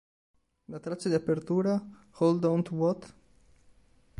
La traccia di apertura "Hold on to What?